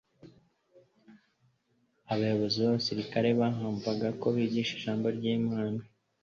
Abayobozi b'abisiraeli bahamvaga ko bigisha Ijambo ry'Imana,